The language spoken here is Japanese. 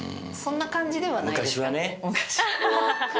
そんな感じではないですか？